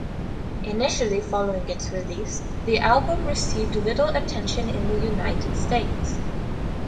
Initially following its release, the album received little attention in the United States.